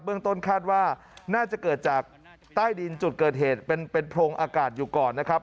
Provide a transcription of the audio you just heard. เรื่องต้นคาดว่าน่าจะเกิดจากใต้ดินจุดเกิดเหตุเป็นโพรงอากาศอยู่ก่อนนะครับ